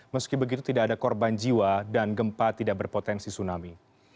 meski begitu tidak ada korban jiwa dan gempa tidak berpotensi tsunami